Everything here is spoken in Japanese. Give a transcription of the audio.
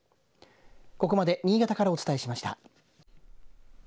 ここまで新潟からお伝えしました。